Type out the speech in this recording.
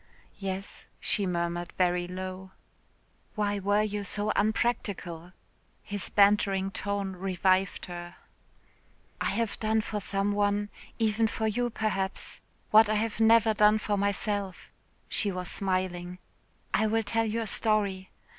"Yes," she murmured very low. "Why were you so unpractical?" his bantering tone revived her. "I have done for some one (even for you, perhaps) what I have never done for myself;" she was smiling. "I will tell you a story.